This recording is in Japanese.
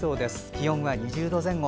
気温は２０度前後。